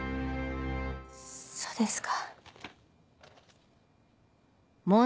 そうですか。